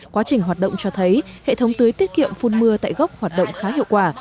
quá trình hoạt động cho thấy hệ thống tưới tiết kiệm phun mưa tại gốc hoạt động khá hiệu quả